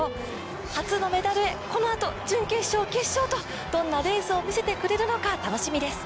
初のメダルへ、このあと準決勝、決勝とどんなレースを見せてくれるのか楽しみです。